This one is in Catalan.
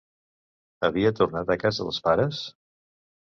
Havia tornat a casa dels pares?